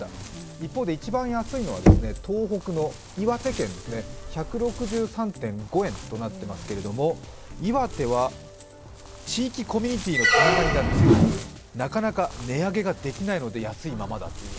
一方で一番安いのは東北の岩手県ですね、１６３．５円となってますけれども岩手は地域コミュニティーのつながりが強くなかなか値上げができないので、安いままだという。